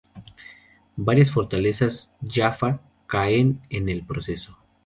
Varias fortalezas Jaffa caen en el proceso.